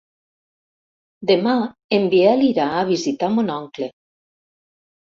Demà en Biel irà a visitar mon oncle.